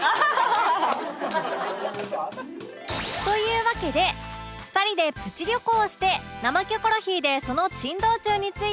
というわけで２人でプチ旅行をして「生キョコロヒー」でその珍道中について報告トーク